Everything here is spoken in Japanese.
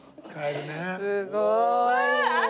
すごい！